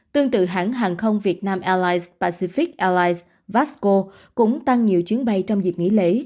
tương tự hãng hàng không vietnam airlines pacific airlines vasco cũng tăng nhiều chuyến bay trong dịp nghỉ lễ